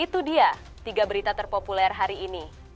itu dia tiga berita terpopuler hari ini